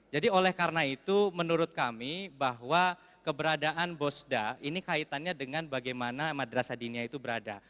jadi oleh karena itu menurut kami bahwa keberadaan bos da ini kaitannya dengan bagaimana madrasah dinia itu berada